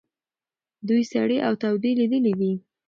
دوی سړې او تودې لیدلي دي.